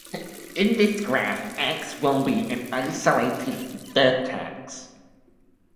In this graph, "x" will be an isolated vertex.